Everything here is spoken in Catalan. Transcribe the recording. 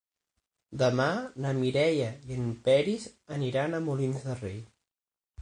Demà na Mireia i en Peris aniran a Molins de Rei.